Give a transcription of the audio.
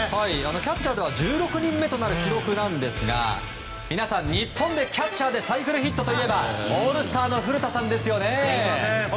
キャッチャーでは１６人目となる記録ですが皆さん、日本でキャッチャーでサイクルヒットといえばオールスターの古田さんですよね？